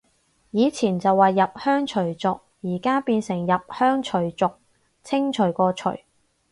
以前就話入鄉隨俗，而家變成入鄉除族，清除個除